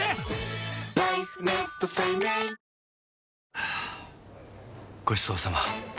はぁごちそうさま！